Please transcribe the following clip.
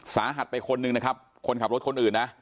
สาหัสไปคนหนึ่งนะครับคนขับรถคนอื่นนะ